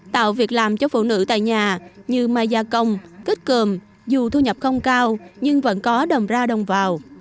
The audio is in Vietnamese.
tạo việc làm cho phụ nữ tại nhà như mai gia công kết cơm dù thu nhập không cao nhưng vẫn có đồng ra đồng vào